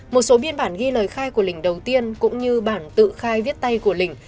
một số biên bản ghi lời khai của linh đầu tiên cũng như bản tự khai viết tay của lình